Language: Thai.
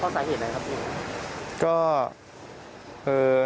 ตอนนี้ว่ามันข้อสาเหตุอะไรครับพี่